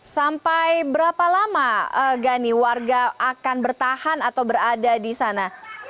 sampai berapa lama gani warga akan bertahan atau berada di sana